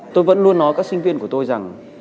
tôi vẫn luôn nói các sinh viên của tôi rằng